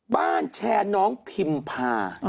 บ้านแชร์น้องพิมพา